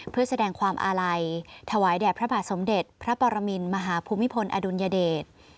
เพื่อแสดงความอาลัยถวายแด่พระบาทสมเด็จพระปรมินมหาภูมิพลอดุลยเดช